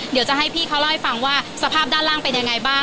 เดี๋ยวจะให้พี่เขาเล่าให้ฟังว่าสภาพด้านล่างเป็นยังไงบ้าง